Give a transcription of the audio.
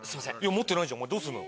持ってないじゃんどうすんの？